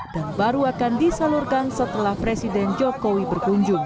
dan baru akan disalurkan setelah presiden jokowi berkunjung